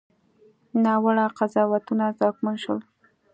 ناوړه قضاوتونه ځواکمن شول.